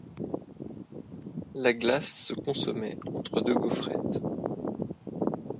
La glace se consommait entre deux gaufrettes.